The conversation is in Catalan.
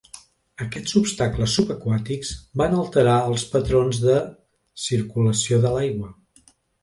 Aquests obstacles subaquàtics van alterar els patrons de circulació de l'aigua.